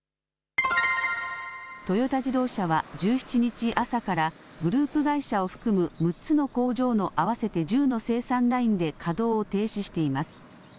トヨタ自動車は１７日朝からグループ会社を含む６つの工場の合わせて１０の生産ラインで稼働を停止しています。